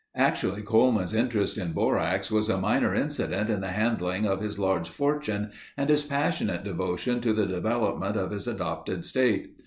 Actually Coleman's interest in borax was a minor incident in the handling of his large fortune and his passionate devotion to the development of his adopted state.